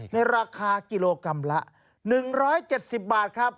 ในราคากิโลกรัมละ๑๗๐บาทครับ